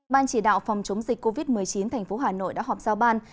ban chỉ đạo phòng chống dịch covid một mươi chín tp hà nội đã họp giao ban